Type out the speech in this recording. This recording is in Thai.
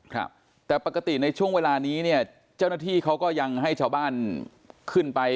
ครับแต่ปกติในช่วงเวลานี้เนี่ยเจ้าหน้าที่เขาก็ยังให้ชาวบ้านขึ้นไป